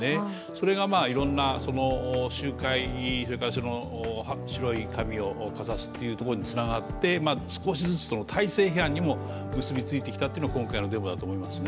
それがいろんな集会、白い紙をかざすところにつながって、すこしずつ、体制批判にも結びついてきたというのが今回のデモだと思います。